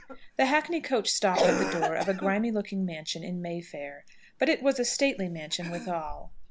The hackney coach stopped at the door of a grimy looking mansion in Mayfair, but it was a stately mansion withal.